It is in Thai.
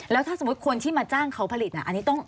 แล้วถ้าสมมุติคนที่มาจ้างเขาผลิตอันนี้ต้อง